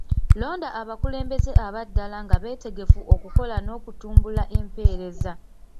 Londa abakulembeze abaddala nga betegefu okukola n'okutumbula empeereza.